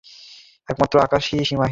একমাত্র আকাশই সীমাহীন।